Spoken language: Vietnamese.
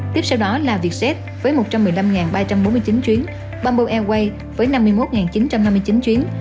tiếp sau đó là vietjet với một trăm một mươi năm ba trăm bốn mươi chín chuyến bamboo airways với năm mươi một chín trăm năm mươi chín chuyến